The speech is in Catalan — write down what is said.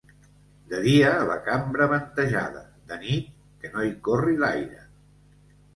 De dia, la cambra ventejada; de nit, que no hi corri l'aire.